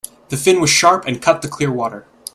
The fin was sharp and cut the clear water.